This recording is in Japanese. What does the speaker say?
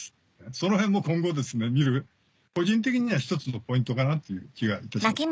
その辺も今後見る個人的には１つのポイントかなっていう気がいたします。